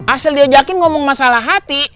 asal diajakin ngomong masalah hati